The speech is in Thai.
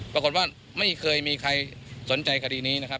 ปรากฏว่าไม่เคยมีใครสนใจคดีนี้นะครับ